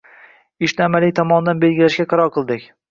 Ishni amaliy tomondan belgilashga qaror qildik.